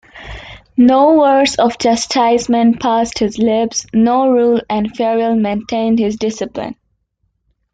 No words of chastisement passed his lips; no rule and ferule maintained his discipline.